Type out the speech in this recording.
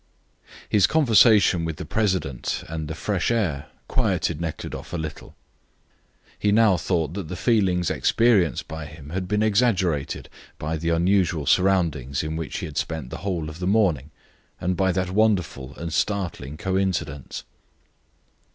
His conversation with the president and the fresh air quieted Nekhludoff a little. He now thought that the feelings experienced by him had been exaggerated by the unusual surroundings in which he had spent the whole of the morning, and by that wonderful and startling coincidence.